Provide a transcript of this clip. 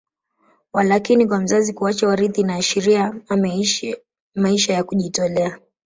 Walakini kwa mzazi kuacha warithi inashiria ameishi maisha ya kujitolea